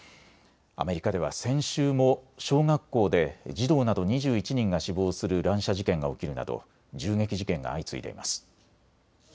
アメリカでは先週も小学校で児童など２１人が死亡する乱射事件が起きるなど銃撃事件が相次いでいます。